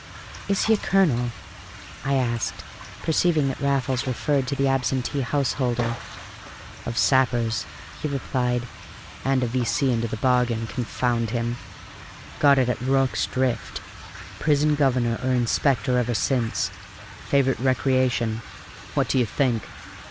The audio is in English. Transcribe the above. "Is he a colonel?" I asked, perceiving that Raffles referred to the absentee householder. "Of sappers," he replied, "and a V.C. into the bargain, confound him! Got it at Rorke's Drift; prison governor or inspector ever since; favorite recreation, what do you think?